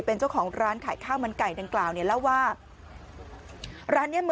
เป็นเจ้าของร้านขายข้าวมันไก่ดังกล่าวเนี่ยเล่าว่าร้านเนี้ยมัน